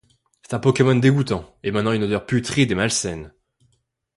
C'est un Pokémon dégoutant, émanant une odeur putride et malsaine.